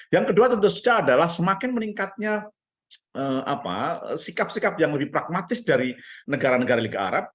yang kedua tentu saja adalah semakin meningkatnya sikap sikap yang lebih pragmatis dari negara negara liga arab